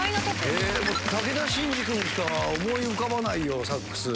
武田真治君しか思い浮かばないよサックス。